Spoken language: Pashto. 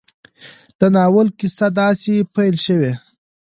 د ناول کيسه داسې پيل شوې